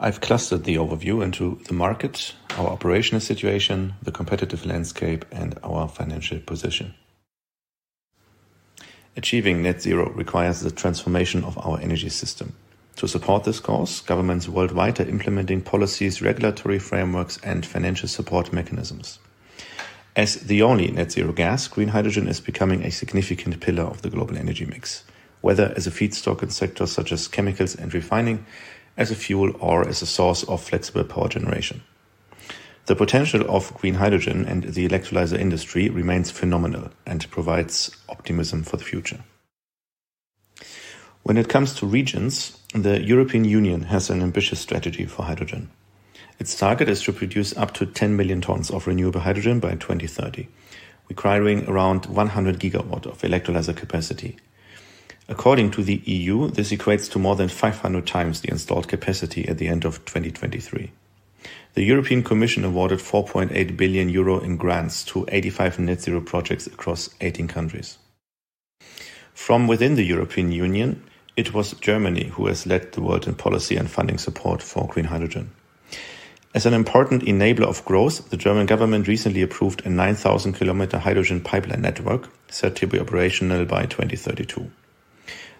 I've clustered the overview into the markets, our operational situation, the competitive landscape, and our financial position. Achieving net zero requires the transformation of our energy system. To support this course, governments worldwide are implementing policies, regulatory frameworks, and financial support mechanisms. As the only net zero gas, green hydrogen is becoming a significant pillar of the global energy mix, whether as a feedstock in sectors such as chemicals and refining, as a fuel, or as a source of flexible power generation. The potential of green hydrogen and the electrolyzer industry remains phenomenal and provides optimism for the future. When it comes to regions, the European Union has an ambitious strategy for hydrogen. Its target is to produce up to 10 million tons of renewable hydrogen by 2030, requiring around 100 GW of electrolyzer capacity. According to the EU, this equates to more than 500 times the installed capacity at the end of 2023. The European Commission awarded 4.8 billion euro in grants to 85 net zero projects across 18 countries. From within the European Union, it was Germany who has led the world in policy and funding support for green hydrogen. As an important enabler of growth, the German government recently approved a 9,000 km hydrogen pipeline network, set to be operational by 2032.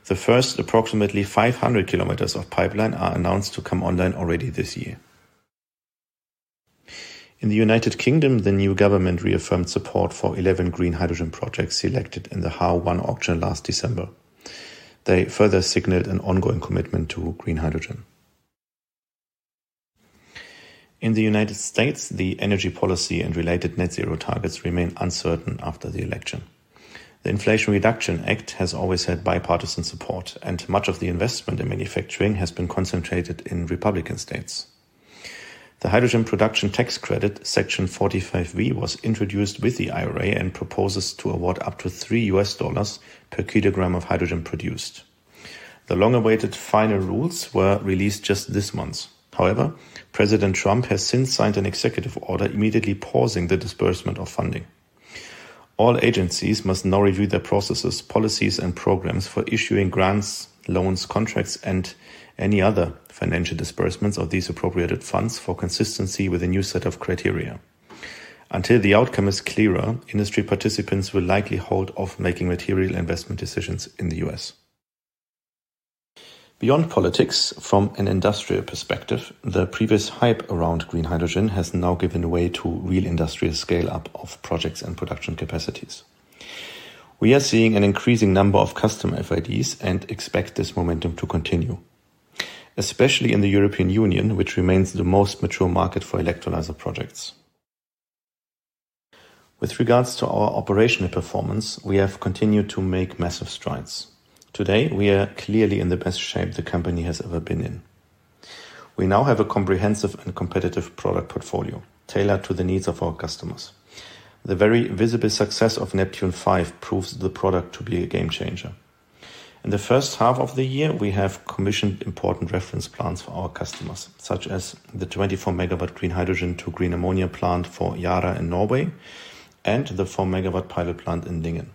The first approximately 500 km of pipeline are announced to come online already this year. In the United Kingdom, the new government reaffirmed support for 11 green hydrogen projects selected in the HAR1 auction last December. They further signaled an ongoing commitment to green hydrogen. In the United States, the energy policy and related net zero targets remain uncertain after the election. The Inflation Reduction Act has always had bipartisan support, and much of the investment in manufacturing has been concentrated in Republican states. The Hydrogen Production Tax Credit, Section 45V, was introduced with the IRA and proposes to award up to $3 per kg of hydrogen produced. The long-awaited final rules were released just this month. However, President Trump has since signed an executive order immediately pausing the disbursement of funding. All agencies must now review their processes, policies, and programs for issuing grants, loans, contracts, and any other financial disbursements of these appropriated funds for consistency with a new set of criteria. Until the outcome is clearer, industry participants will likely hold off making material investment decisions in the U.S. Beyond politics, from an industrial perspective, the previous hype around green hydrogen has now given way to real industrial scale-up of projects and production capacities. We are seeing an increasing number of customer FIDs and expect this momentum to continue, especially in the European Union, which remains the most mature market for electrolyzer projects. With regards to our operational performance, we have continued to make massive strides. Today, we are clearly in the best shape the company has ever been in. We now have a comprehensive and competitive product portfolio tailored to the needs of our customers. The very visible success of NEPTUNE V proves the product to be a game changer. In the first half of the year, we have commissioned important reference plants for our customers, such as the 24 MW green hydrogen to green ammonia plant for Yara in Norway and the 4 MW pilot plant in Lingen.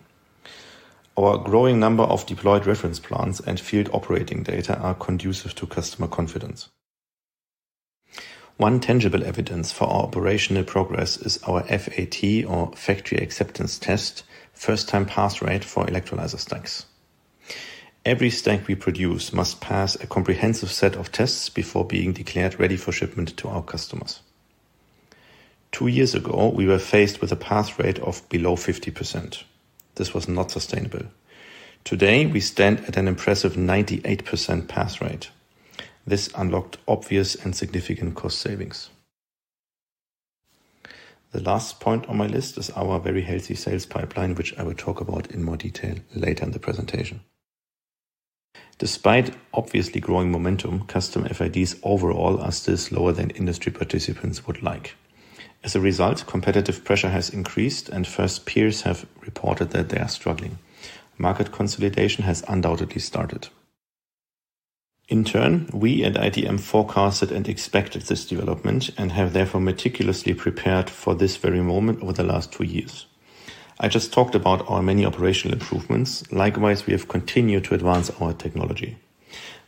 Our growing number of deployed reference plants and field operating data are conducive to customer confidence. One tangible evidence for our operational progress is our FAT, or Factory Acceptance Test, first-time pass rate for electrolyzer stacks. Every stack we produce must pass a comprehensive set of tests before being declared ready for shipment to our customers. Two years ago, we were faced with a pass rate of below 50%. This was not sustainable. Today, we stand at an impressive 98% pass rate. This unlocked obvious and significant cost savings. The last point on my list is our very healthy sales pipeline, which I will talk about in more detail later in the presentation. Despite obviously growing momentum, customer FIDs overall are still slower than industry participants would like. As a result, competitive pressure has increased, and first peers have reported that they are struggling. Market consolidation has undoubtedly started. In turn, we at ITM forecasted and expected this development and have therefore meticulously prepared for this very moment over the last two years. I just talked about our many operational improvements. Likewise, we have continued to advance our technology.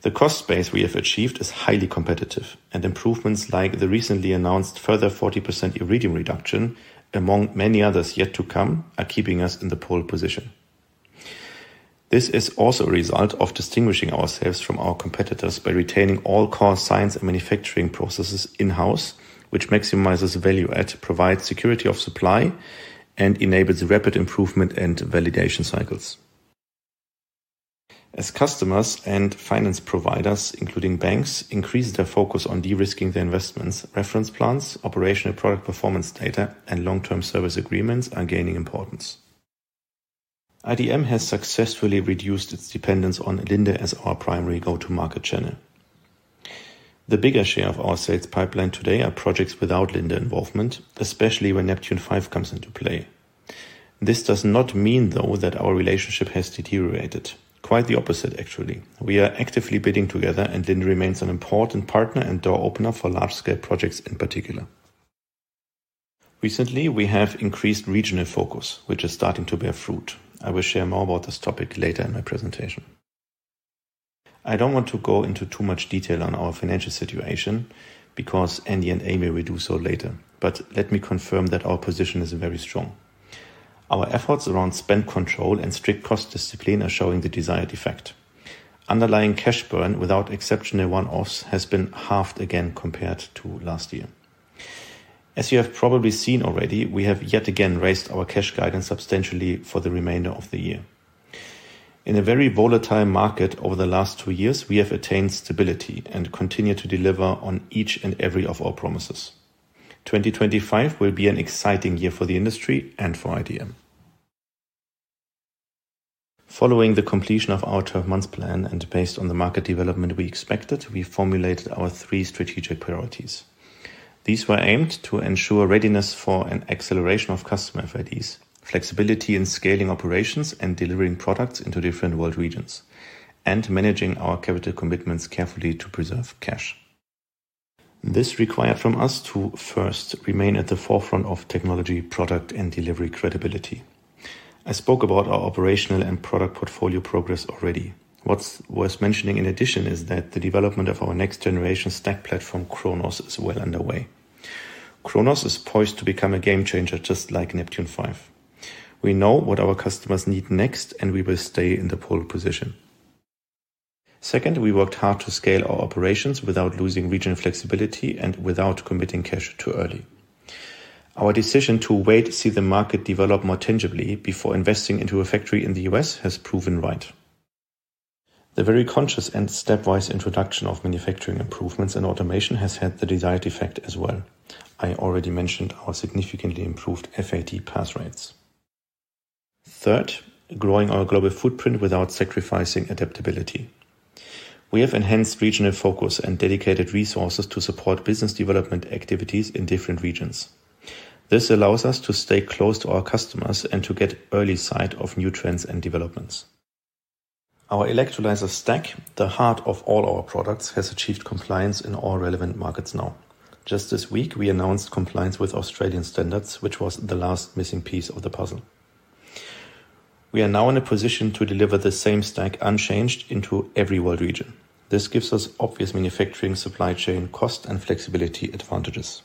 The cost base we have achieved is highly competitive, and improvements like the recently announced further 40% iridium reduction, among many others yet to come, are keeping us in the pole position. This is also a result of distinguishing ourselves from our competitors by retaining all core science and manufacturing processes in-house, which maximizes value add, provides security of supply, and enables rapid improvement and validation cycles. As customers and finance providers, including banks, increase their focus on de-risking their investments, reference plants, operational product performance data, and long-term service agreements are gaining importance. ITM has successfully reduced its dependence on Linde as our primary go-to-market channel. The bigger share of our sales pipeline today are projects without Linde involvement, especially when NEPTUNE V comes into play. This does not mean, though, that our relationship has deteriorated. Quite the opposite, actually. We are actively bidding together, and Linde remains an important partner and door opener for large-scale projects in particular. Recently, we have increased regional focus, which is starting to bear fruit. I will share more about this topic later in my presentation. I don't want to go into too much detail on our financial situation because Andy and Amy will do so later, but let me confirm that our position is very strong. Our efforts around spend control and strict cost discipline are showing the desired effect. Underlying cash burn without exceptional one-offs has been halved again compared to last year. As you have probably seen already, we have yet again raised our cash guidance substantially for the remainder of the year. In a very volatile market over the last two years, we have attained stability and continue to deliver on each and every one of our promises. 2025 will be an exciting year for the industry and for ITM. Following the completion of our 12-month plan and based on the market development we expected, we formulated our three strategic priorities. These were aimed to ensure readiness for an acceleration of customer FIDs, flexibility in scaling operations and delivering products into different world regions, and managing our capital commitments carefully to preserve cash. This required from us to first remain at the forefront of technology, product, and delivery credibility. I spoke about our operational and product portfolio progress already. What's worth mentioning in addition is that the development of our next-generation stack platform, CHRONOS, is well underway. CHRONOS is poised to become a game changer just like NEPTUNE V. We know what our customers need next, and we will stay in the pole position. Second, we worked hard to scale our operations without losing regional flexibility and without committing cash too early. Our decision to wait to see the market develop more tangibly before investing into a factory in the U.S. has proven right. The very conscious and stepwise introduction of manufacturing improvements and automation has had the desired effect as well. I already mentioned our significantly improved FAT pass rates. Third, growing our global footprint without sacrificing adaptability. We have enhanced regional focus and dedicated resources to support business development activities in different regions. This allows us to stay close to our customers and to get early sight of new trends and developments. Our electrolyzer stack, the heart of all our products, has achieved compliance in all relevant markets now. Just this week, we announced compliance with Australian standards, which was the last missing piece of the puzzle. We are now in a position to deliver the same stack unchanged into every world region. This gives us obvious manufacturing supply chain cost and flexibility advantages.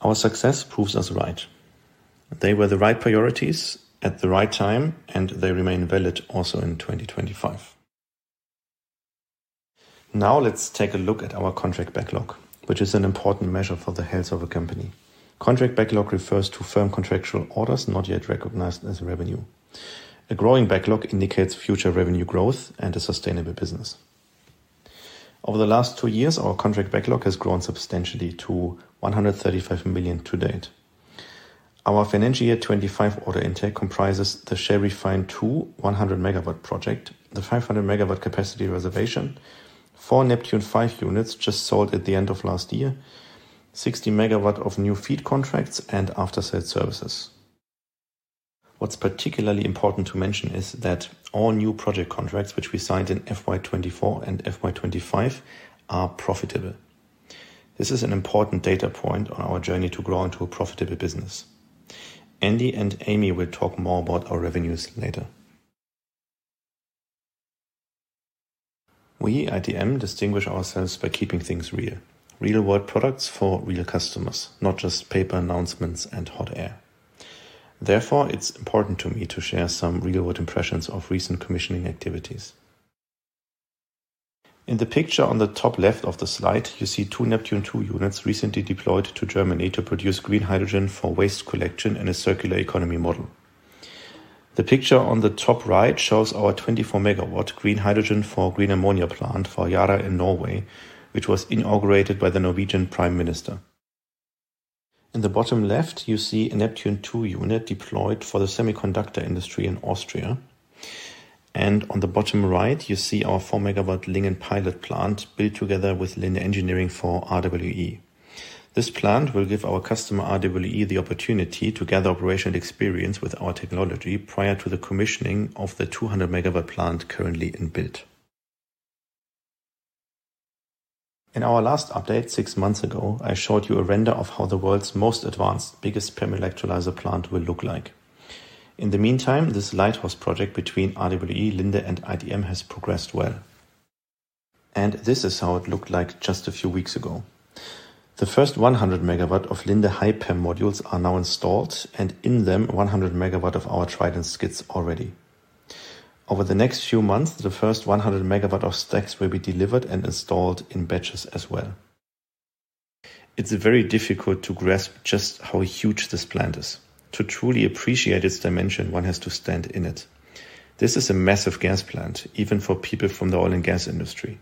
Our success proves us right. They were the right priorities at the right time, and they remain valid also in 2025. Now let's take a look at our contract backlog, which is an important measure for the health of a company. Contract backlog refers to firm contractual orders not yet recognized as revenue. A growing backlog indicates future revenue growth and a sustainable business. Over the last two years, our contract backlog has grown substantially to 135 million to date. Our financial year 25 order intake comprises the Shell REFHYNE II 100-MW project, the 500-MW capacity reservation, four NEPTUNE V units just sold at the end of last year, 60 MW of new FEED contracts, and after-sales services. What's particularly important to mention is that all new project contracts which we signed in FY 2024 and FY 2025 are profitable. This is an important data point on our journey to grow into a profitable business. Andy and Amy will talk more about our revenues later. We at ITM distinguish ourselves by keeping things real. Real-world products for real customers, not just paper announcements and hot air. Therefore, it's important to me to share some real-world impressions of recent commissioning activities. In the picture on the top left of the slide, you see two NEPTUNE II units recently deployed to Germany to produce green hydrogen for waste collection and a circular economy model. The picture on the top right shows our 24-MW green hydrogen for green ammonia plant for Yara in Norway, which was inaugurated by the Norwegian Prime Minister. In the bottom left, you see a NEPTUNE II unit deployed for the semiconductor industry in Austria, and on the bottom right, you see our 4-MW Lingen pilot plant built together with Linde Engineering for RWE. This plant will give our customer RWE the opportunity to gather operational experience with our technology prior to the commissioning of the 200-MW plant currently in build. In our last update, six months ago, I showed you a render of how the world's most advanced, biggest PEM electrolyzer plant will look like. In the meantime, this lighthouse project between RWE, Linde, and ITM has progressed well, and this is how it looked like just a few weeks ago. The first 100 MW of Linde high-PEM modules are now installed, and in them, 100 MW of our TRIDENT skids already. Over the next few months, the first 100 MW of stacks will be delivered and installed in batches as well. It's very difficult to grasp just how huge this plant is. To truly appreciate its dimension, one has to stand in it. This is a massive gas plant, even for people from the oil and gas industry.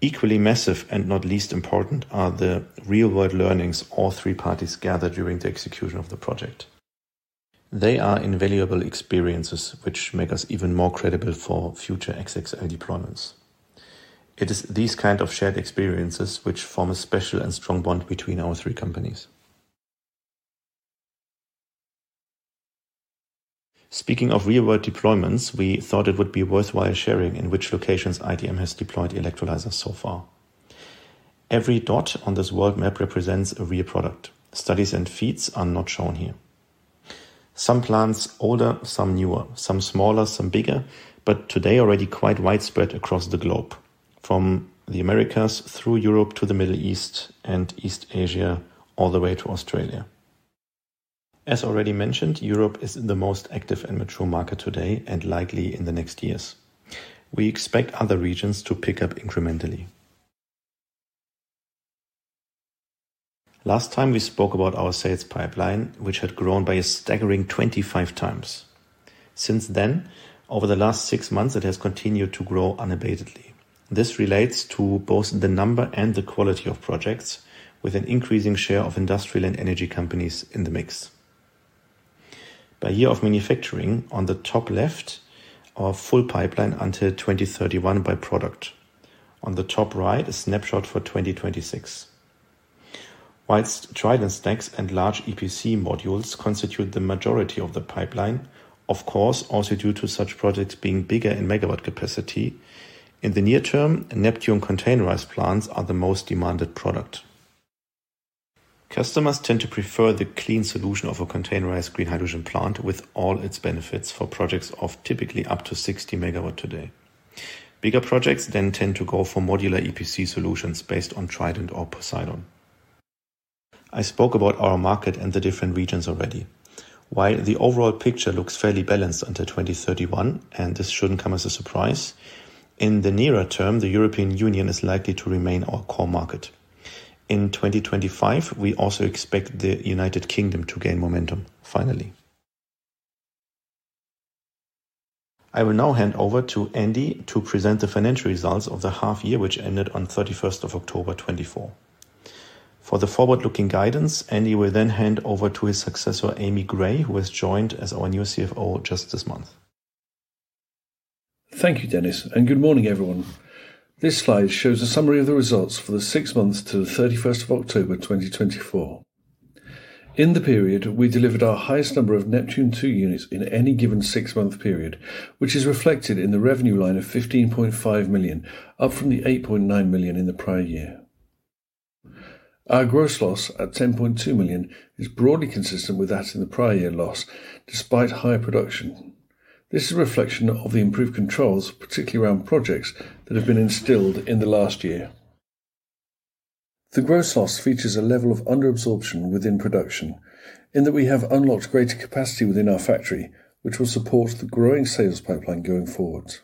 Equally massive and not least important are the real-world learnings all three parties gathered during the execution of the project. They are invaluable experiences, which make us even more credible for future XXL deployments. It is these kinds of shared experiences which form a special and strong bond between our three companies. Speaking of real-world deployments, we thought it would be worthwhile sharing in which locations ITM has deployed electrolyzers so far. Every dot on this world map represents a real product. Studies and FEEDs are not shown here. Some plants older, some newer, some smaller, some bigger, but today already quite widespread across the globe, from the Americas through Europe to the Middle East and East Asia all the way to Australia. As already mentioned, Europe is the most active and mature market today and likely in the next years. We expect other regions to pick up incrementally. Last time, we spoke about our sales pipeline, which had grown by a staggering 25 times. Since then, over the last six months, it has continued to grow unabatedly. This relates to both the number and the quality of projects, with an increasing share of industrial and energy companies in the mix. By year of manufacturing, on the top left, our full pipeline until 2031 by product. On the top right, a snapshot for 2026. While TRIDENT stacks and large EPC modules constitute the majority of the pipeline, of course, also due to such projects being bigger in megawatt capacity, in the near term, NEPTUNE containerized plants are the most demanded product. Customers tend to prefer the clean solution of a containerized green hydrogen plant with all its benefits for projects of typically up to 60 MW today. Bigger projects then tend to go for modular EPC solutions based on TRIDENT or POSEIDON. I spoke about our market and the different regions already. While the overall picture looks fairly balanced until 2031, and this shouldn't come as a surprise, in the nearer term, the European Union is likely to remain our core market. In 2025, we also expect the United Kingdom to gain momentum, finally. I will now hand over to Andy to present the financial results of the half year, which ended on 31st October 2024. For the forward-looking guidance, Andy will then hand over to his successor, Amy Grey, who has joined as our new CFO just this month. Thank you, Dennis, and good morning, everyone. This slide shows a summary of the results for the six months to 31st October 2024. In the period, we delivered our highest number of NEPTUNE II units in any given six-month period, which is reflected in the revenue line of 15.5 million, up from the 8.9 million in the prior year. Our gross loss at 10.2 million is broadly consistent with that in the prior year loss, despite higher production. This is a reflection of the improved controls, particularly around projects that have been instilled in the last year. The gross loss features a level of under absorption within production in that we have unlocked greater capacity within our factory, which will support the growing sales pipeline going forward.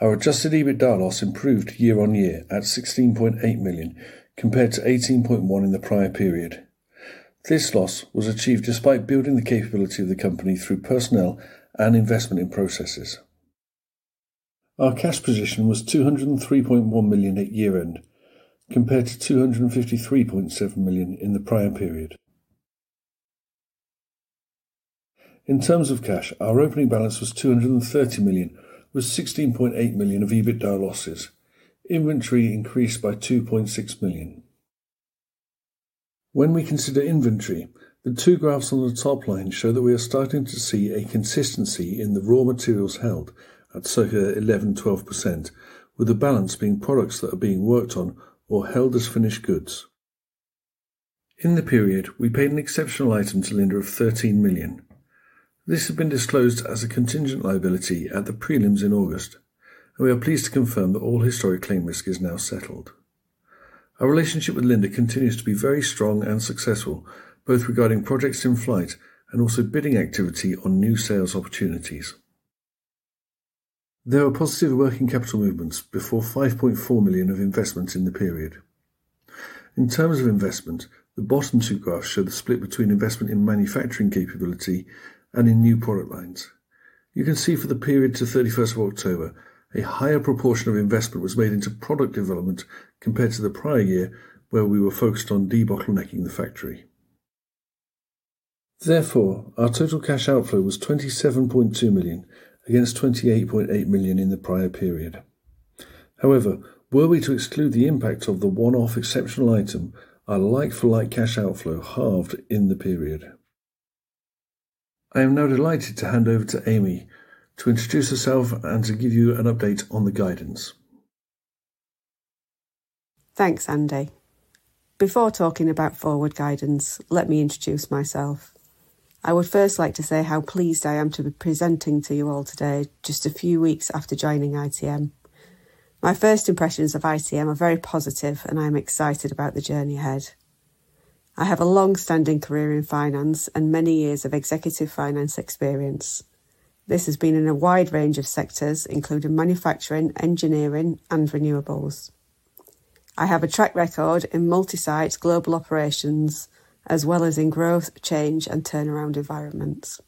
Our adjusted EBITDA loss improved year-on-year at 16.8 million compared to 18.1 million in the prior period. This loss was achieved despite building the capability of the company through personnel and investment in processes. Our cash position was 203.1 million at year-end compared to 253.7 million in the prior period. In terms of cash, our opening balance was 230 million, with 16.8 million of EBITDA losses. Inventory increased by 2.6 million. When we consider inventory, the two graphs on the top line show that we are starting to see a consistency in the raw materials held at circa 11%-12%, with the balance being products that are being worked on or held as finished goods. In the period, we paid an exceptional item to Linde of 13 million. This has been disclosed as a contingent liability at the prelims in August, and we are pleased to confirm that all historic claim risk is now settled. Our relationship with Linde continues to be very strong and successful, both regarding projects in flight and also bidding activity on new sales opportunities. There were positive working capital movements before 5.4 million of investment in the period. In terms of investment, the bottom two graphs show the split between investment in manufacturing capability and in new product lines. You can see for the period to 31st October, a higher proportion of investment was made into product development compared to the prior year where we were focused on debottlenecking the factory. Therefore, our total cash outflow was 27.2 million against 28.8 million in the prior period. However, were we to exclude the impact of the one-off exceptional item, our like-for-like cash outflow halved in the period. I am now delighted to hand over to Amy to introduce herself and to give you an update on the guidance. Thanks, Andy. Before talking about forward guidance, let me introduce myself. I would first like to say how pleased I am to be presenting to you all today, just a few weeks after joining ITM. My first impressions of ITM are very positive, and I am excited about the journey ahead. I have a long-standing career in finance and many years of executive finance experience. This has been in a wide range of sectors, including manufacturing, engineering, and renewables. I have a track record in multi-site global operations, as well as in growth, change, and turnaround environments.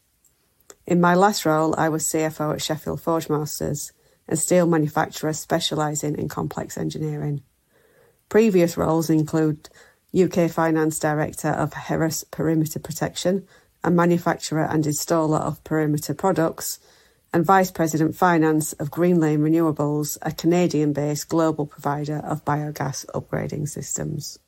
In my last role, I was CFO at Sheffield Forgemasters and steel manufacturer specializing in complex engineering. Previous roles include UK Finance Director of Heras Perimeter Protection, a manufacturer and installer of perimeter products, and Vice President Finance of Greenlane Renewables, a Canadian-based global provider of biogas upgrading systems.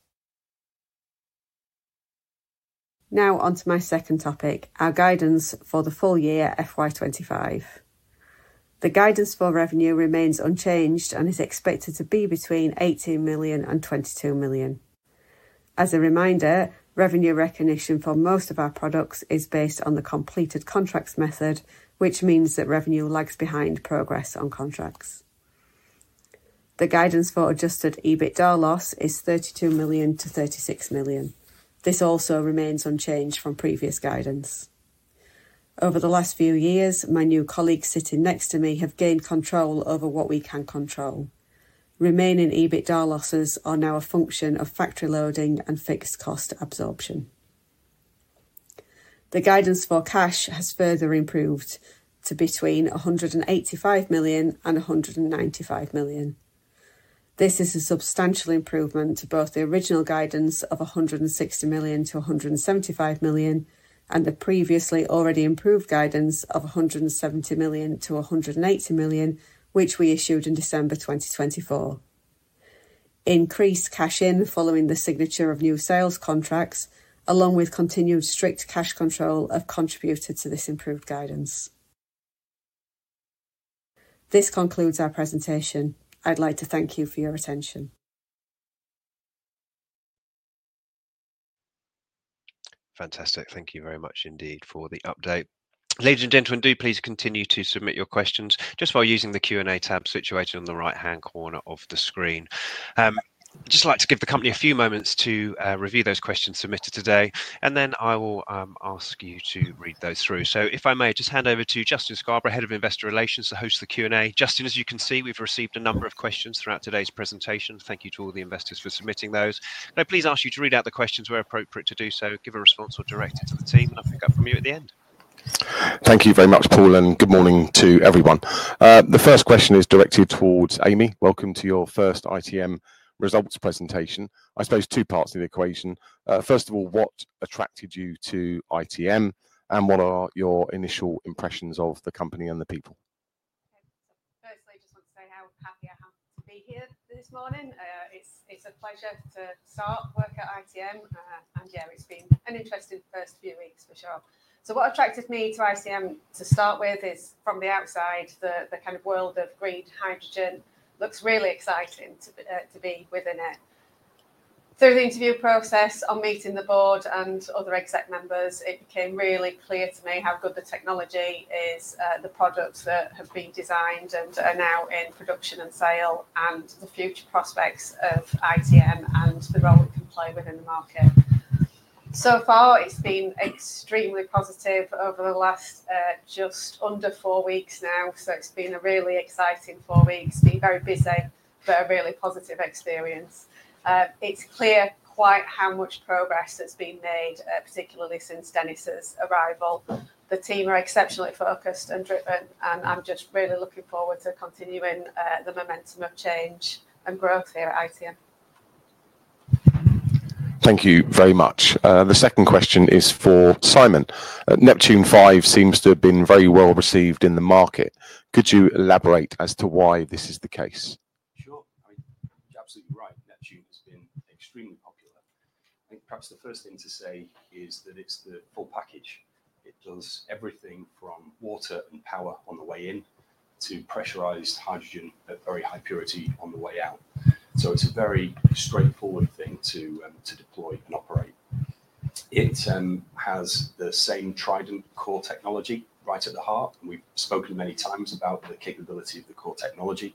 Now on to my second topic, our guidance for the full year FY 2025. The guidance for revenue remains unchanged and is expected to be between 18 million and 22 million. As a reminder, revenue recognition for most of our products is based on the completed contracts method, which means that revenue lags behind progress on contracts. The guidance for adjusted EBITDA loss is 32 million-36 million. This also remains unchanged from previous guidance. Over the last few years, my new colleagues sitting next to me have gained control over what we can control. Remaining EBITDA losses are now a function of factory loading and fixed cost absorption. The guidance for cash has further improved to between 185 million and 195 million. This is a substantial improvement to both the original guidance of 160 million-175 million and the previously already improved guidance of 170 million-180 million, which we issued in December 2024. Increased cash inflows following the signature of new sales contracts, along with continued strict cash control, have contributed to this improved guidance. This concludes our presentation. I'd like to thank you for your attention. Fantastic. Thank you very much indeed for the update. Ladies and gentlemen, do please continue to submit your questions just while using the Q&A tab situated on the right-hand corner of the screen. I'd just like to give the company a few moments to review those questions submitted today, and then I will ask you to read those through. So if I may, just hand over to Justin Scarborough, Head of Investor Relations, to host the Q&A. Justin, as you can see, we've received a number of questions throughout today's presentation. Thank you to all the investors for submitting those. I'd please ask you to read out the questions where appropriate to do so, give a response or direct it to the team, and I'll pick up from you at the end. Thank you very much, Clay, and good morning to everyone. The first question is directed towards Amy. Welcome to your first ITM results presentation. I suppose two parts of the equation. First of all, what attracted you to ITM, and what are your initial impressions of the company and the people? Firstly, I just want to say how happy I am to be here this morning. It's a pleasure to start work at ITM, and yeah, it's been an interesting first few weeks, for sure. So what attracted me to ITM to start with is, from the outside, the kind of world of green hydrogen looks really exciting to be within it. Through the interview process, on meeting the board and other exec members, it became really clear to me how good the technology is, the products that have been designed and are now in production and sale, and the future prospects of ITM and the role it can play within the market. So far, it's been extremely positive over the last just under four weeks now, so it's been a really exciting four weeks, been very busy, but a really positive experience. It's clear quite how much progress that's been made, particularly since Dennis's arrival. The team are exceptionally focused and driven, and I'm just really looking forward to continuing the momentum of change and growth here at ITM. Thank you very much. The second question is for Simon. NEPTUNE V seems to have been very well received in the market. Could you elaborate as to why this is the case? Sure. I mean, you're absolutely right. NEPTUNE has been extremely popular. I think perhaps the first thing to say is that it's the full package. It does everything from water and power on the way in to pressurized hydrogen at very high purity on the way out. So it's a very straightforward thing to deploy and operate. It has the same TRIDENT core technology right at the heart, and we've spoken many times about the capability of the core technology.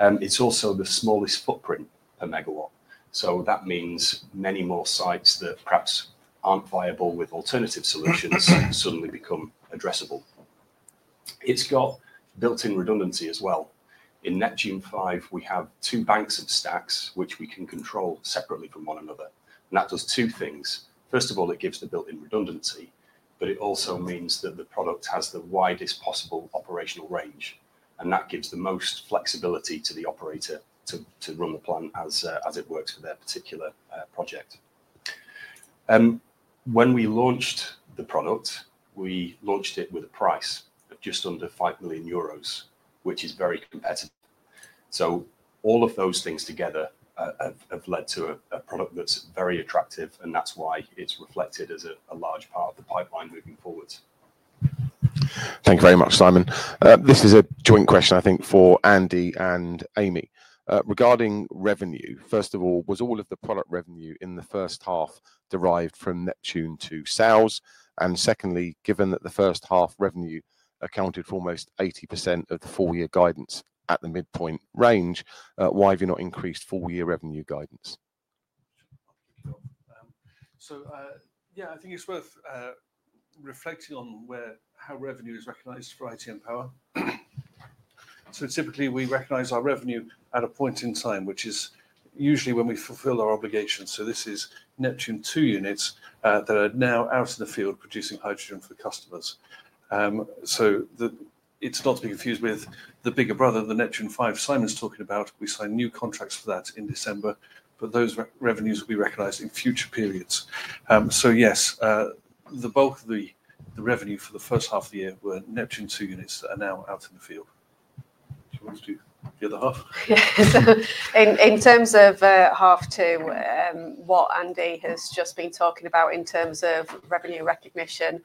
It's also the smallest footprint per megawatt, so that means many more sites that perhaps aren't viable with alternative solutions suddenly become addressable. It's got built-in redundancy as well. In NEPTUNE V, we have two banks of stacks which we can control separately from one another, and that does two things. First of all, it gives the built-in redundancy, but it also means that the product has the widest possible operational range, and that gives the most flexibility to the operator to run the plant as it works for their particular project. When we launched the product, we launched it with a price of just under 5 million euros, which is very competitive. So all of those things together have led to a product that's very attractive, and that's why it's reflected as a large part of the pipeline moving forward. Thank you very much, Simon. This is a joint question, I think, for Andy and Amy. Regarding revenue, first of all, was all of the product revenue in the first half derived from NEPTUNE II sales? Secondly, given that the first half revenue accounted for almost 80% of the full-year guidance at the midpoint range, why have you not increased full-year revenue guidance? Sure. So yeah, I think it's worth reflecting on how revenue is recognized for ITM Power. So typically, we recognize our revenue at a point in time, which is usually when we fulfill our obligations. So this is NEPTUNE II units that are now out in the field producing hydrogen for customers. So it's not to be confused with the bigger brother, the NEPTUNE V Simon's talking about. We signed new contracts for that in December, but those revenues will be recognized in future periods. So yes, the bulk of the revenue for the first half of the year were NEPTUNE II units that are now out in the field. Do you want to do the other half? In terms of half two, what Andy has just been talking about in terms of revenue recognition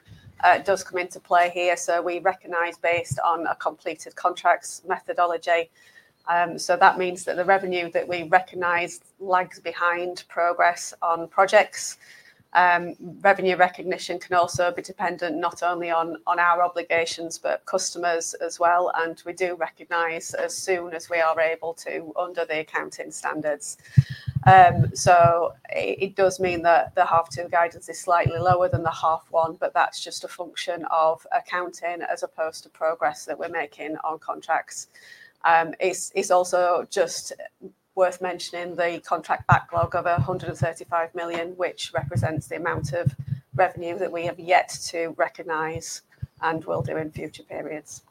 does come into play here. So we recognize based on a completed contracts methodology. So that means that the revenue that we recognize lags behind progress on projects. Revenue recognition can also be dependent not only on our obligations, but customers as well. And we do recognize as soon as we are able to under the accounting standards. So it does mean that the half two guidance is slightly lower than the half one, but that's just a function of accounting as opposed to progress that we're making on contracts. It's also just worth mentioning the contract backlog of 135 million, which represents the amount of revenue that we have yet to recognize and will do in future periods.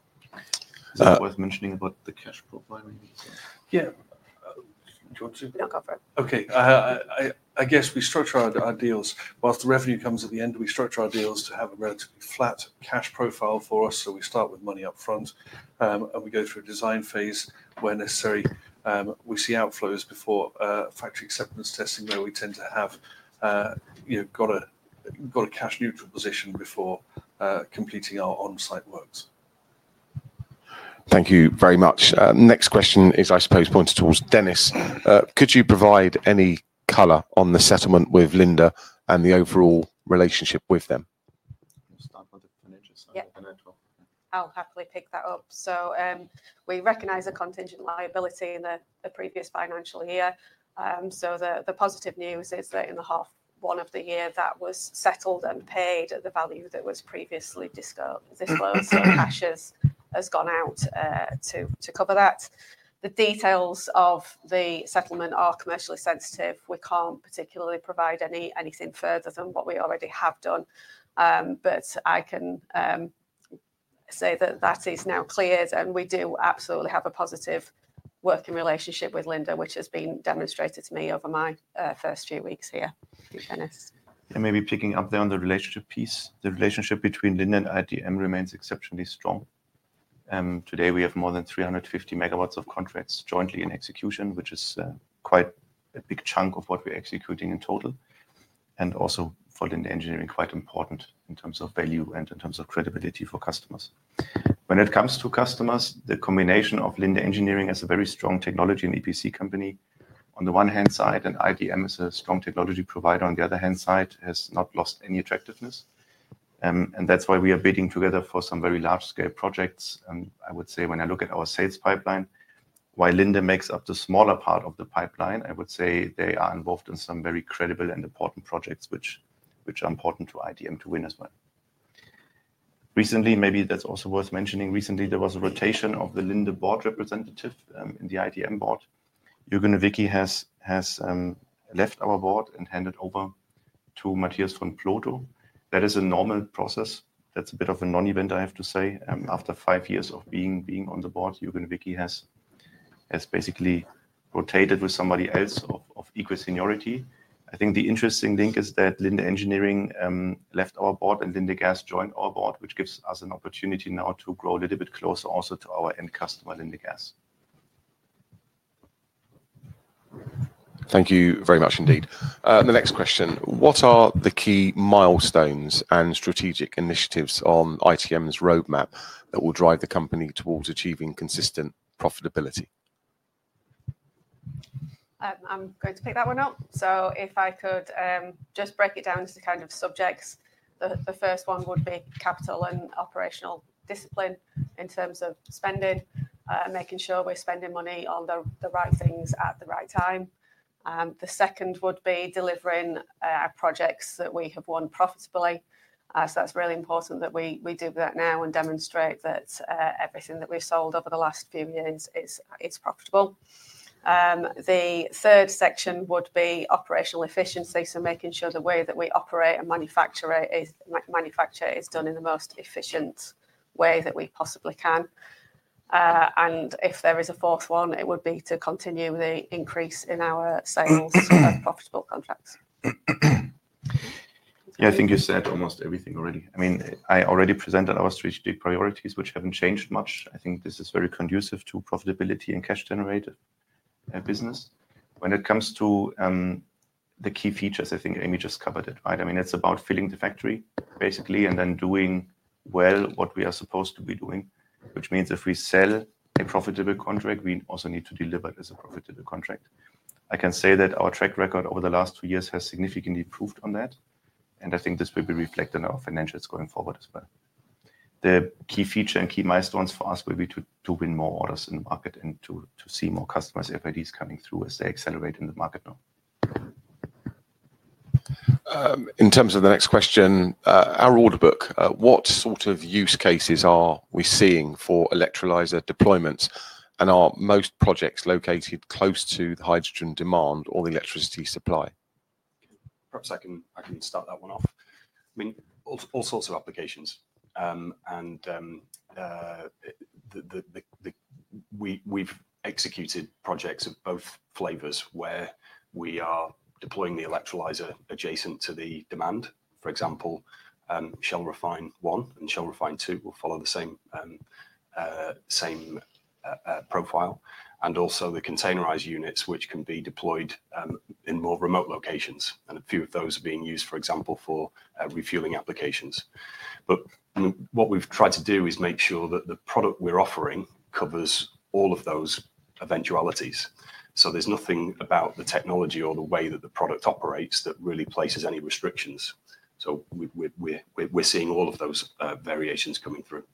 Is it worth mentioning about the cash profile? Yeah. Do you want to? Not go for it. Okay. I guess we structure our deals. While the revenue comes at the end, we structure our deals to have a relatively flat cash profile for us. So we start with money upfront, and we go through a design phase where necessary, we see outflows before factory acceptance testing, where we tend to have got a cash-neutral position before completing our on-site works. Thank you very much. Next question is, I suppose, pointed towards Dennis. Could you provide any color on the settlement with Linde and the overall relationship with them? We'll start by the financier. I'll happily pick that up. So we recognize a contingent liability in the previous financial year. So the positive news is that in the first half of the year, that was settled and paid at the value that was previously disclosed. So cash has gone out to cover that. The details of the settlement are commercially sensitive. We can't particularly provide anything further than what we already have done. But I can say that that is now cleared, and we do absolutely have a positive working relationship with Linde, which has been demonstrated to me over my first few weeks here. Thank you, Dennis. And maybe picking up there on the relationship piece, the relationship between Linde and ITM remains exceptionally strong. Today, we have more than 350 MWs of contracts jointly in execution, which is quite a big chunk of what we're executing in total. And also for Linde Engineering, quite important in terms of value and in terms of credibility for customers. When it comes to customers, the combination of Linde Engineering as a very strong technology and EPC company on the one hand side, and ITM as a strong technology provider on the other hand side, has not lost any attractiveness, and that's why we are bidding together for some very large-scale projects. I would say when I look at our sales pipeline, while Linde makes up the smaller part of the pipeline, I would say they are involved in some very credible and important projects, which are important to ITM to win as well. Recently, maybe that's also worth mentioning, recently there was a rotation of the Linde board representative in the ITM board. Jürgen Nowicki has left our board and handed over to Matthias von Plotho. That is a normal process. That's a bit of a non-event, I have to say. After five years of being on the board, Jürgen Nowicki has basically rotated with somebody else of equal seniority. I think the interesting thing is that Linde Engineering left our board and Linde Gas joined our board, which gives us an opportunity now to grow a little bit closer also to our end customer, Linde Gas. Thank you very much indeed. The next question, what are the key milestones and strategic initiatives on ITM's roadmap that will drive the company towards achieving consistent profitability? I'm going to pick that one up. So if I could just break it down into kind of subjects, the first one would be capital and operational discipline in terms of spending, making sure we're spending money on the right things at the right time. The second would be delivering our projects that we have won profitably. So that's really important that we do that now and demonstrate that everything that we've sold over the last few years is profitable. The third section would be operational efficiency, so making sure the way that we operate and manufacture is done in the most efficient way that we possibly can. And if there is a fourth one, it would be to continue the increase in our sales and profitable contracts. Yeah, I think you said almost everything already. I mean, I already presented our strategic priorities, which haven't changed much. I think this is very conducive to profitability and cash-generated business. When it comes to the key features, I think Amy just covered it, right? I mean, it's about filling the factory, basically, and then doing well what we are supposed to be doing, which means if we sell a profitable contract, we also need to deliver it as a profitable contract. I can say that our track record over the last two years has significantly improved on that, and I think this will be reflected in our financials going forward as well. The key feature and key milestones for us will be to win more orders in the market and to see more customers' FIDs coming through as they accelerate in the market now. In terms of the next question, our order book, what sort of use cases are we seeing for electrolyzer deployments? And are most projects located close to the hydrogen demand or the electricity supply? Perhaps I can start that one off. I mean, all sorts of applications. We've executed projects of both flavors where we are deploying the electrolyzer adjacent to the demand. For example, Shell REFHYNE I and Shell REFHYNE II will follow the same profile. Also the containerized units, which can be deployed in more remote locations. A few of those are being used, for example, for refueling applications. What we've tried to do is make sure that the product we're offering covers all of those eventualities. There's nothing about the technology or the way that the product operates that really places any restrictions. We're seeing all of those variations coming through.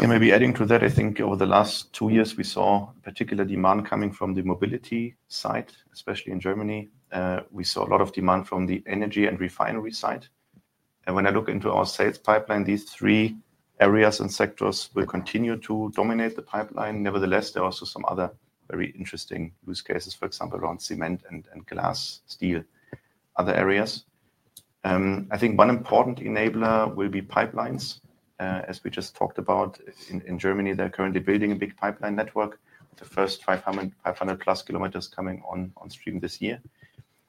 Maybe adding to that, I think over the last two years, we saw particular demand coming from the mobility side, especially in Germany. We saw a lot of demand from the energy and refinery side. When I look into our sales pipeline, these three areas and sectors will continue to dominate the pipeline. Nevertheless, there are also some other very interesting use cases, for example, around cement and glass, steel, other areas. I think one important enabler will be pipelines. As we just talked about, in Germany, they're currently building a big pipeline network, the first 500+ km coming on stream this year.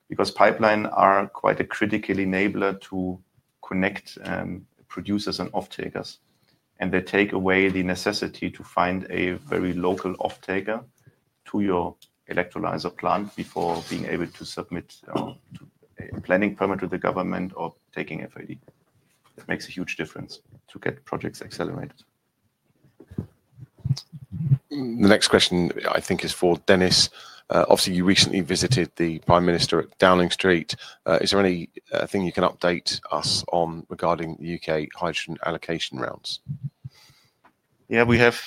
Because pipelines are quite a critical enabler to connect producers and off-takers. And they take away the necessity to find a very local off-taker to your electrolyzer plant before being able to submit a planning permit with the government or taking FID. It makes a huge difference to get projects accelerated. The next question, I think, is for Dennis. Obviously, you recently visited the Prime Minister at Downing Street. Is there anything you can update us on regarding the U.K. hydrogen allocation rounds? Yeah, we have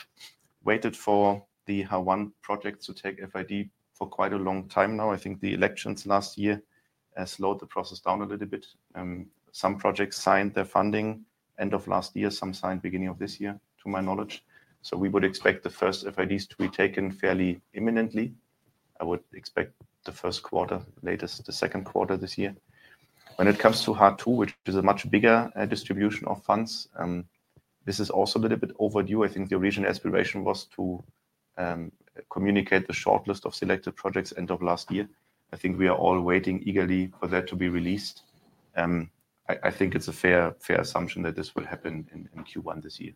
waited for the HAR1 project to take FID for quite a long time now. I think the elections last year slowed the process down a little bit. Some projects signed their funding end of last year, some signed beginning of this year, to my knowledge. So we would expect the first FIDs to be taken fairly imminently. I would expect the first quarter, latest the second quarter this year. When it comes to HAR2, which is a much bigger distribution of funds, this is also a little bit overdue. I think the original aspiration was to communicate the shortlist of selected projects end of last year. I think we are all waiting eagerly for that to be released. I think it's a fair assumption that this will happen in Q1 this year.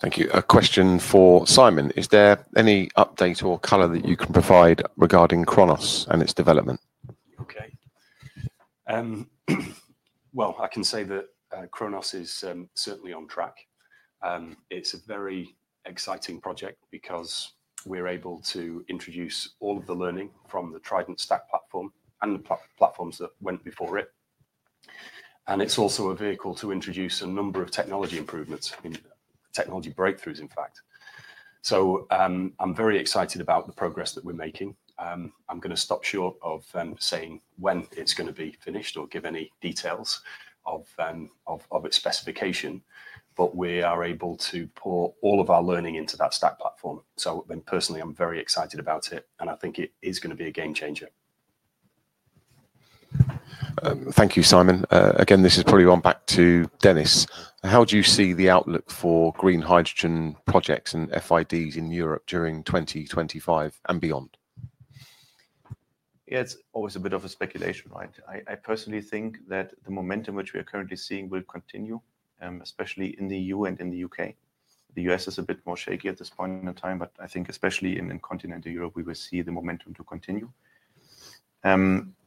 Thank you. A question for Simon. Is there any update or color that you can provide regarding CHRONOS and its development? Okay. Well, I can say that CHRONOS is certainly on track. It's a very exciting project because we're able to introduce all of the learning from the TRIDENT Stack platform and the platforms that went before it. And it's also a vehicle to introduce a number of technology improvements, technology breakthroughs, in fact. So I'm very excited about the progress that we're making. I'm going to stop short of saying when it's going to be finished or give any details of its specification. But we are able to pour all of our learning into that stack platform. So personally, I'm very excited about it, and I think it is going to be a game changer. Thank you, Simon. Again, this is probably back to Dennis. How do you see the outlook for green hydrogen projects and FIDs in Europe during 2025 and beyond? Yeah, it's always a bit of a speculation, right? I personally think that the momentum which we are currently seeing will continue, especially in the EU and in the U.K. The U.S. is a bit more shaky at this point in time, but I think especially in continental Europe, we will see the momentum to continue.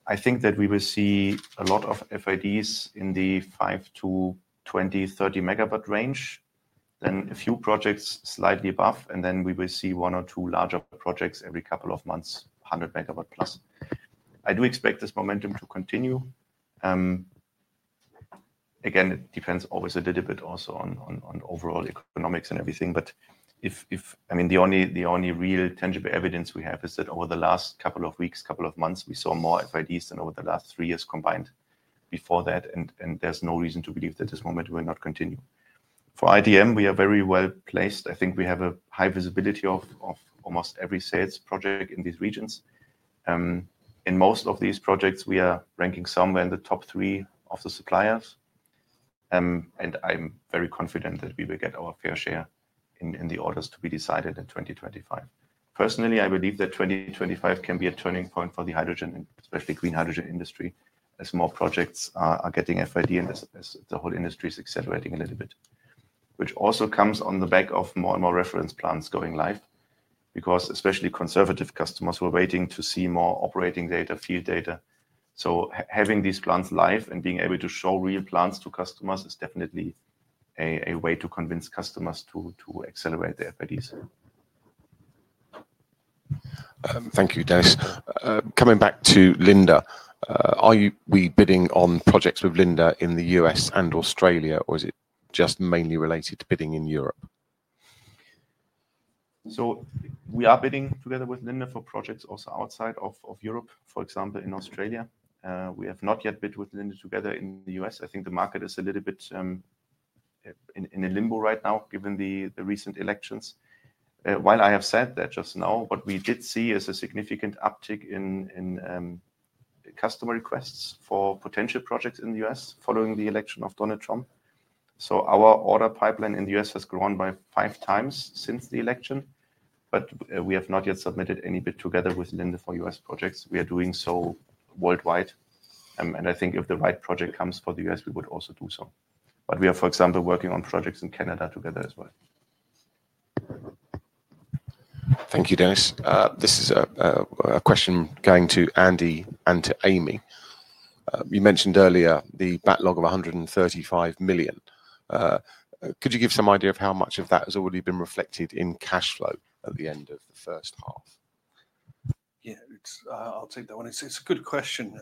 I think that we will see a lot of FIDs in the 5 MW to 20 MW, 30 MW range, then a few projects slightly above, and then we will see one or two larger projects every couple of months, 100 MW+. I do expect this momentum to continue. Again, it depends always a little bit also on overall economics and everything. But I mean, the only real tangible evidence we have is that over the last couple of weeks, couple of months, we saw more FIDs than over the last three years combined before that. And there's no reason to believe that this momentum will not continue. For ITM, we are very well placed. I think we have a high visibility of almost every sales project in these regions. In most of these projects, we are ranking somewhere in the top three of the suppliers. And I'm very confident that we will get our fair share in the orders to be decided in 2025. Personally, I believe that 2025 can be a turning point for the hydrogen, especially green hydrogen industry, as more projects are getting FID and the whole industry is accelerating a little bit, which also comes on the back of more and more reference plants going live because especially conservative customers were waiting to see more operating data, field data. So having these plants live and being able to show real plants to customers is definitely a way to convince customers to accelerate their FIDs. Thank you, Dennis. Coming back to Linde, are we bidding on projects with Linde in the U.S. and Australia, or is it just mainly related to bidding in Europe? So we are bidding together with Linde for projects also outside of Europe, for example, in Australia. We have not yet bid with Linde together in the U.S. I think the market is a little bit in limbo right now, given the recent elections. While I have said that just now, what we did see is a significant uptick in customer requests for potential projects in the U.S. following the election of Donald Trump, so our order pipeline in the U.S. has grown by five times since the election, but we have not yet submitted any bid together with Linde for U.S. projects. We are doing so worldwide, and I think if the right project comes for the U.S., we would also do so, but we are, for example, working on projects in Canada together as well. Thank you, Dennis. This is a question going to Andy and to Amy. You mentioned earlier the backlog of 135 million. Could you give some idea of how much of that has already been reflected in cash flow at the end of the first half? Yeah, I'll take that one. It's a good question.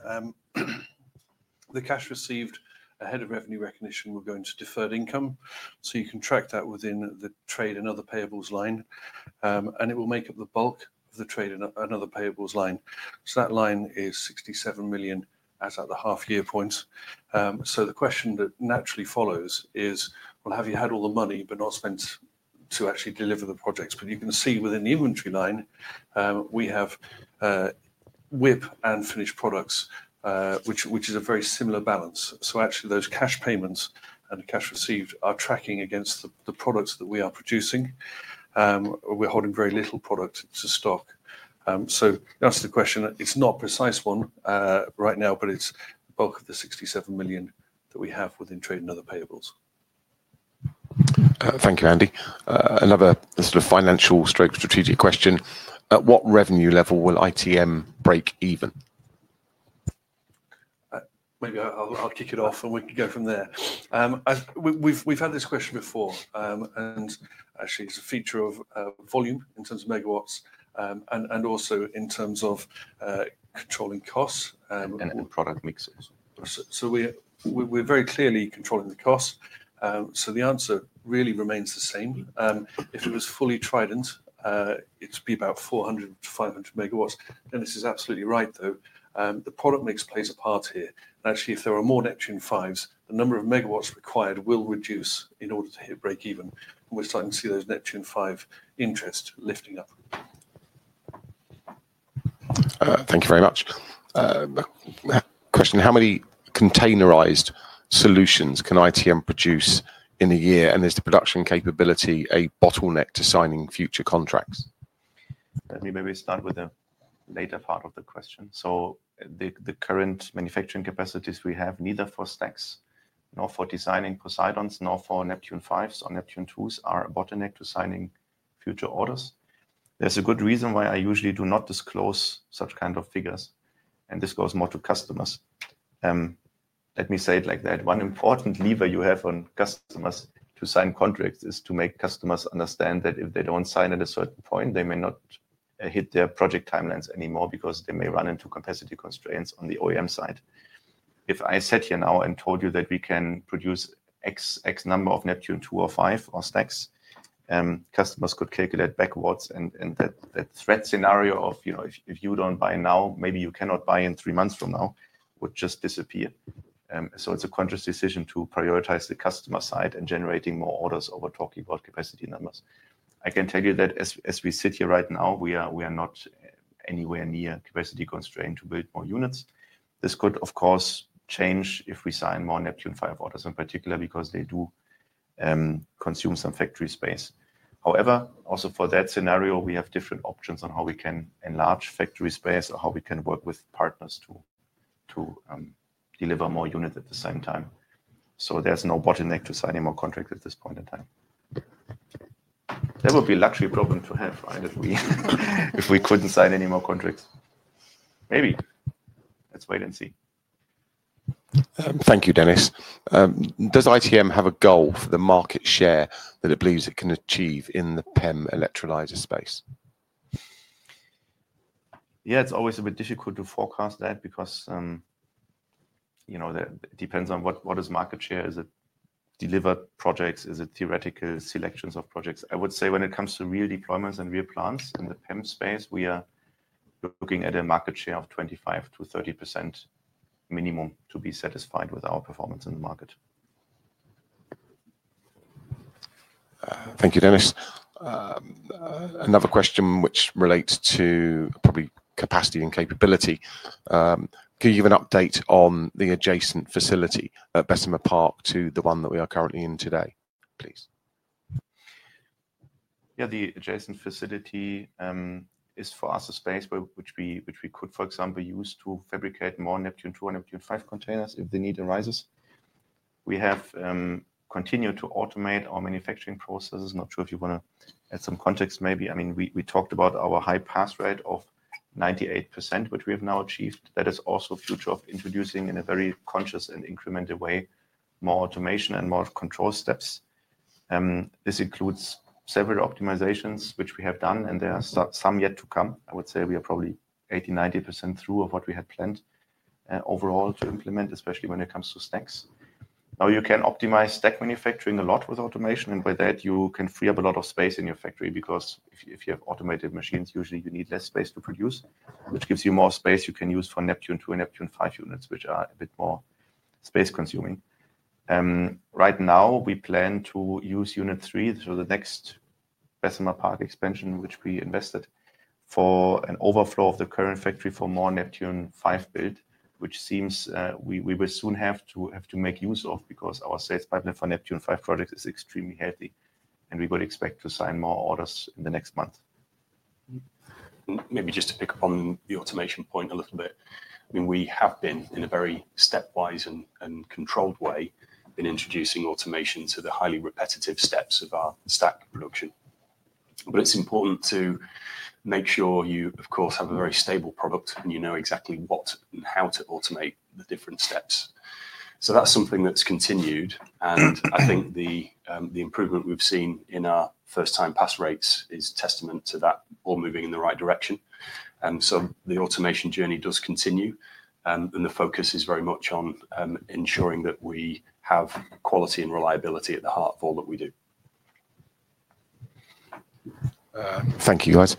The cash received ahead of revenue recognition will go into deferred income. So you can track that within the trade and other payables line. And it will make up the bulk of the trade and other payables line. So that line is 67 million at the half-year points. So the question that naturally follows is, well, have you had all the money but not spent to actually deliver the projects? But you can see within the inventory line, we have WIP and finished products, which is a very similar balance. So actually, those cash payments and cash received are tracking against the products that we are producing. We're holding very little product to stock. To answer the question, it's not a precise one right now, but it's the bulk of the 67 million that we have within trade and other payables. Thank you, Andy. Another sort of financial-stroke strategic question. At what revenue level will ITM break even? Maybe I'll kick it off and we can go from there. We've had this question before. Actually, it's a feature of volume in terms of megawatts and also in terms of controlling costs. And product mixes. We're very clearly controlling the costs. The answer really remains the same. If it was fully TRIDENT, it'd be about 400 MWs-500 MWs. Dennis is absolutely right, though. The product mix plays a part here. Actually, if there are more NEPTUNE Vs, the number of megawatts required will reduce in order to hit break even. And we're starting to see those NEPTUNE V interests lifting up. Thank you very much. Question, how many containerized solutions can ITM produce in a year? And is the production capability a bottleneck to signing future contracts? Let me maybe start with the latter part of the question, so the current manufacturing capacities we have, neither for stacks nor for designing POSEIDONs nor for NEPTUNE Vs or NEPTUNE IIs, are a bottleneck to signing future orders. There's a good reason why I usually do not disclose such kind of figures, and this goes more to customers. Let me say it like that. One important lever you have on customers to sign contracts is to make customers understand that if they don't sign at a certain point, they may not hit their project timelines anymore because they may run into capacity constraints on the OEM side. If I sat here now and told you that we can produce X number of NEPTUNE II or V or stacks, customers could calculate backwards, and that threat scenario of, if you don't buy now, maybe you cannot buy in three months from now, would just disappear, so it's a conscious decision to prioritize the customer site and generating more orders over talking about capacity numbers. I can tell you that as we sit here right now, we are not anywhere near capacity constrained to build more units. This could, of course, change if we sign more NEPTUNE V orders in particular because they do consume some factory space. However, also for that scenario, we have different options on how we can enlarge factory space or how we can work with partners to deliver more units at the same time. So there's no bottleneck to signing more contracts at this point in time. That would be a luxury problem to have, right, if we couldn't sign any more contracts. Maybe. Let's wait and see. Thank you, Dennis. Does ITM have a goal for the market share that it believes it can achieve in the PEM electrolyzer space? Yeah, it's always a bit difficult to forecast that because it depends on what is market share. Is it delivered projects? Is it theoretical selections of projects? I would say when it comes to real deployments and real plants in the PEM space, we are looking at a market share of 25%-30% minimum to be satisfied with our performance in the market. Thank you, Dennis. Another question which relates to probably capacity and capability. Can you give an update on the adjacent facility at Bessemer Park to the one that we are currently in today, please? Yeah, the adjacent facility is for us a space which we could, for example, use to fabricate more NEPTUNE II and NEPTUNE V containers if the need arises. We have continued to automate our manufacturing processes. Not sure if you want to add some context maybe. I mean, we talked about our high pass rate of 98%, which we have now achieved. That is also fruit of introducing in a very conscious and incremental way more automation and more control steps. This includes several optimizations which we have done, and there are some yet to come. I would say we are probably 80%-90% through of what we had planned overall to implement, especially when it comes to stacks. Now, you can optimize stack manufacturing a lot with automation, and by that, you can free up a lot of space in your factory because if you have automated machines, usually you need less space to produce, which gives you more space you can use for NEPTUNE II and NEPTUNE V units, which are a bit more space-consuming. Right now, we plan to use unit 3 for the next Bessemer Park expansion, which we invested for an overflow of the current factory for more NEPTUNE V build, which seems we will soon have to make use of because our sales pipeline for NEPTUNE V projects is extremely healthy, and we would expect to sign more orders in the next month. Maybe just to pick up on the automation point a little bit. I mean, we have been in a very stepwise and controlled way in introducing automation to the highly repetitive steps of our stack production, but it's important to make sure you, of course, have a very stable product and you know exactly what and how to automate the different steps, so that's something that's continued. And I think the improvement we've seen in our first-time pass rates is testament to that all moving in the right direction, so the automation journey does continue, and the focus is very much on ensuring that we have quality and reliability at the heart of all that we do. Thank you, guys.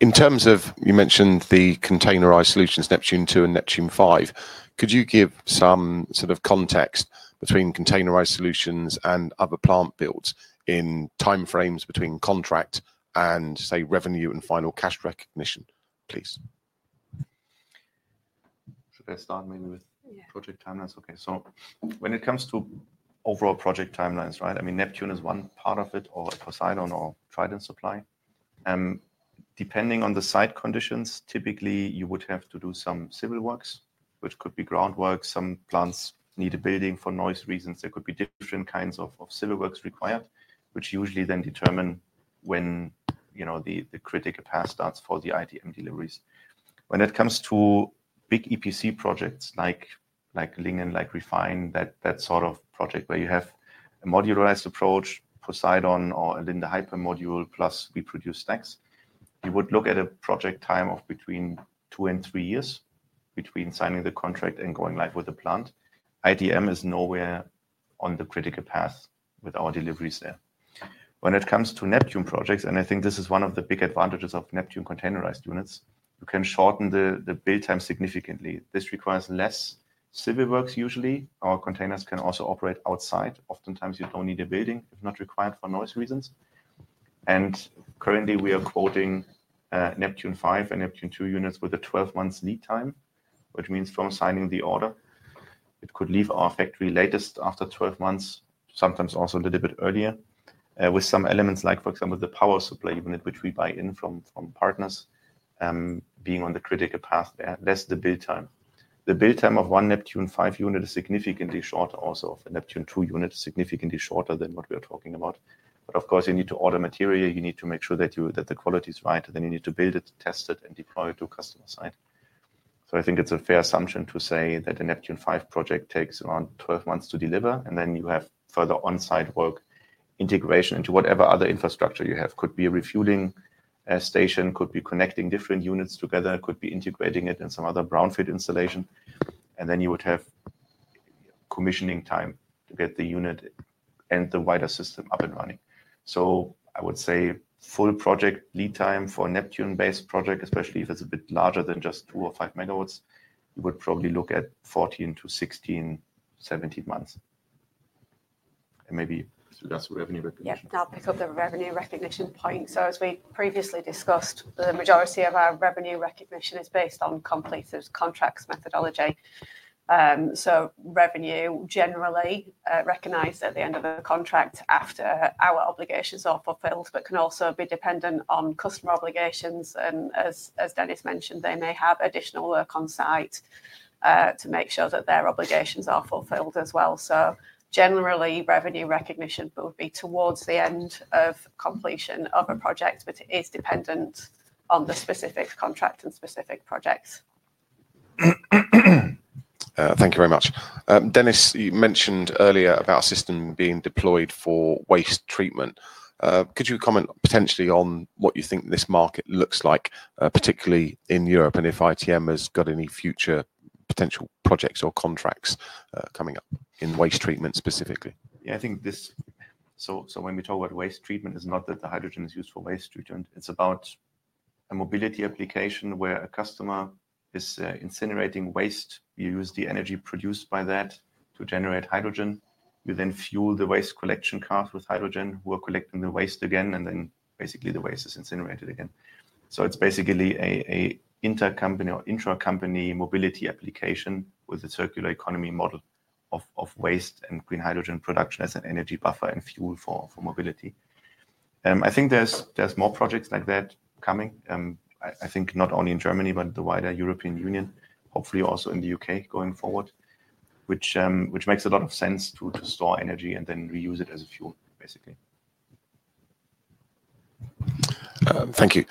In terms of, you mentioned the containerized solutions, NEPTUNE II and NEPTUNE V. Could you give some sort of context between containerized solutions and other plant builds in timeframes between contract and, say, revenue and final cash recognition, please? Should I start maybe with project timelines? Okay. So when it comes to overall project timelines, right, I mean, NEPTUNE is one part of it or a POSEIDON or TRIDENT supply. Depending on the site conditions, typically you would have to do some civil works, which could be groundworks. Some plants need a building for noise reasons. There could be different kinds of civil works required, which usually then determine when the critical path starts for the ITM deliveries. When it comes to big EPC projects like Lingen and like REFHYNE, that sort of project where you have a modularized approach, POSEIDON or a Linde hypermodule, plus we produce stacks, you would look at a project time of between two and three years between signing the contract and going live with the plant. ITM is nowhere on the critical path with our deliveries there. When it comes to NEPTUNE projects, and I think this is one of the big advantages of NEPTUNE containerized units, you can shorten the build time significantly. This requires less civil works usually. Our containers can also operate outside. Oftentimes, you don't need a building if not required for noise reasons. And currently, we are quoting NEPTUNE V and NEPTUNE II units with a 12-month lead time, which means from signing the order, it could leave our factory latest after 12 months, sometimes also a little bit earlier, with some elements like, for example, the power supply unit, which we buy in from partners being on the critical path there, less the build time. The build time of one NEPTUNE V unit is significantly shorter also of a NEPTUNE II unit, significantly shorter than what we are talking about. But of course, you need to order material. You need to make sure that the quality is right. Then you need to build it, test it, and deploy it to customer side. So I think it's a fair assumption to say that a NEPTUNE V project takes around 12 months to deliver, and then you have further on-site work integration into whatever other infrastructure you have. Could be a refueling station, could be connecting different units together, could be integrating it in some other brownfield installation. And then you would have commissioning time to get the unit and the wider system up and running. So I would say full project lead time for a NEPTUNE-based project, especially if it's a bit larger than just 2 MWs or 5 MWs, you would probably look at 14 to 16, 17 months. And maybe. So that's revenue recognition. Yeah, I'll pick up the revenue recognition point. As we previously discussed, the majority of our revenue recognition is based on complete contracts methodology. Revenue generally recognized at the end of the contract after our obligations are fulfilled, but can also be dependent on customer obligations. As Dennis mentioned, they may have additional work on site to make sure that their obligations are fulfilled as well. Generally, revenue recognition would be towards the end of completion of a project, but it is dependent on the specific contract and specific projects. Thank you very much. Dennis, you mentioned earlier about a system being deployed for waste treatment. Could you comment potentially on what you think this market looks like, particularly in Europe, and if ITM has got any future potential projects or contracts coming up in waste treatment specifically? Yeah, I think this. So when we talk about waste treatment, it's not that the hydrogen is used for waste treatment. It's about a mobility application where a customer is incinerating waste. You use the energy produced by that to generate hydrogen. You then fuel the waste collection cars with hydrogen. We're collecting the waste again, and then basically the waste is incinerated again. So it's basically an intercompany or intracompany mobility application with a circular economy model of waste and green hydrogen production as an energy buffer and fuel for mobility. I think there's more projects like that coming. I think not only in Germany, but the wider European Union, hopefully also in the U.K. going forward, which makes a lot of sense to store energy and then reuse it as a fuel, basically. Thank you.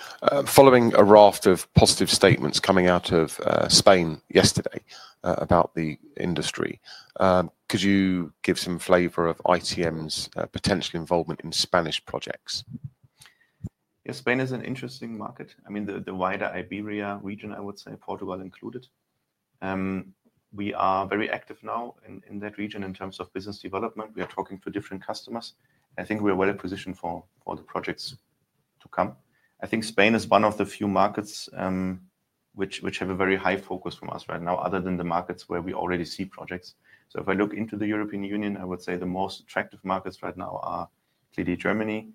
Following a raft of positive statements coming out of Spain yesterday about the industry, could you give some flavor of ITM's potential involvement in Spanish projects? Yes, Spain is an interesting market. I mean, the wider Iberia region, I would say, Portugal included. We are very active now in that region in terms of business development. We are talking to different customers. I think we are well positioned for the projects to come. I think Spain is one of the few markets which have a very high focus from us right now, other than the markets where we already see projects. So if I look into the European Union, I would say the most attractive markets right now are clearly Germany.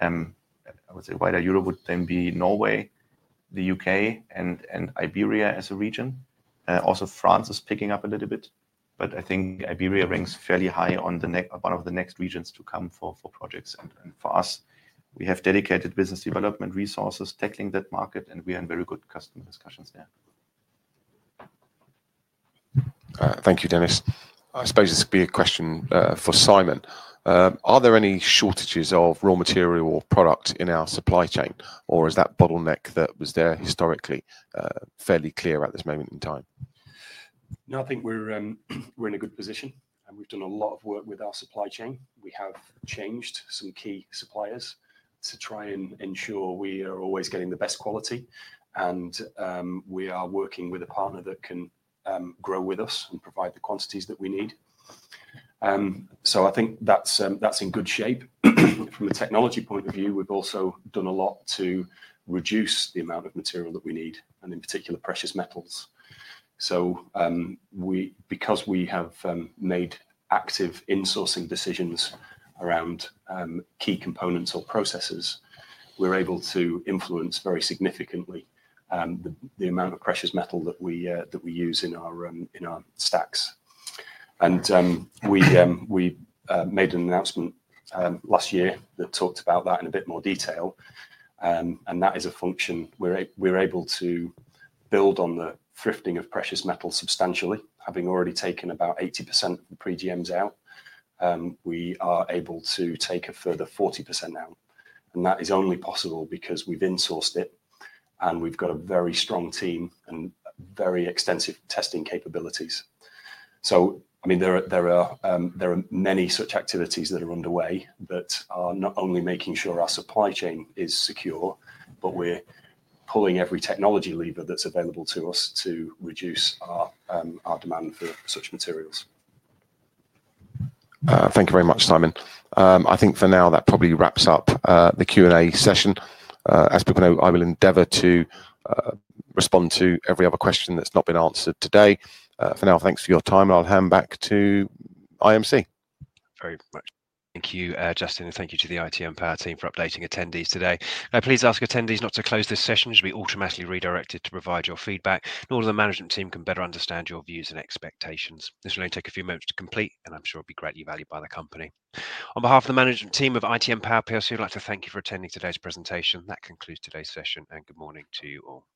I would say wider Europe would then be Norway, the U.K., and Iberia as a region. Also, France is picking up a little bit, but I think Iberia ranks fairly high on one of the next regions to come for projects. And for us, we have dedicated business development resources tackling that market, and we are in very good customer discussions there. Thank you, Dennis. I suppose this could be a question for Simon. Are there any shortages of raw material or product in our supply chain, or is that bottleneck that was there historically fairly clear at this moment in time? No, I think we're in a good position. We've done a lot of work with our supply chain. We have changed some key suppliers to try and ensure we are always getting the best quality. And we are working with a partner that can grow with us and provide the quantities that we need. So I think that's in good shape. From a technology point of view, we've also done a lot to reduce the amount of material that we need, and in particular, precious metals. So because we have made active insourcing decisions around key components or processes, we're able to influence very significantly the amount of precious metal that we use in our stacks. And we made an announcement last year that talked about that in a bit more detail. And that is a function we're able to build on the thrifting of precious metal substantially. Having already taken about 80% of the PGMs out, we are able to take a further 40% out. And that is only possible because we've insourced it, and we've got a very strong team and very extensive testing capabilities. So I mean, there are many such activities that are underway that are not only making sure our supply chain is secure, but we're pulling every technology lever that's available to us to reduce our demand for such materials. Thank you very much, Simon. I think for now, that probably wraps up the Q&A session. As people know, I will endeavor to respond to every other question that's not been answered today. For now, thanks for your time, and I'll hand back to the MC. Very much. Thank you, Justin, and thank you to the ITM Power team for updating attendees today. Now, please ask attendees not to close this session. It should be automatically redirected to provide your feedback, in order that the management team can better understand your views and expectations. This will only take a few moments to complete, and I'm sure it'll be greatly valued by the company. On behalf of the management team of ITM Power Plc, I'd like to thank you for attending today's presentation. That concludes today's session, and good morning to you all.